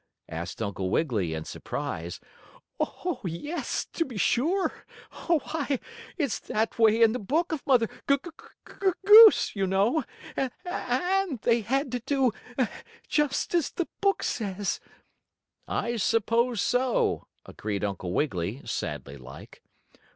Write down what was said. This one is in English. asked Uncle Wiggily, in surprise. "Oh, yes, to be sure. Why it's that way in the book of Mother Goose, you know, and they had to do just as the book says." "I suppose so," agreed Uncle Wiggily, sadly like.